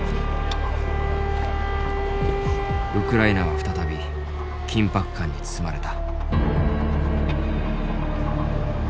ウクライナは再び緊迫感に包まれた。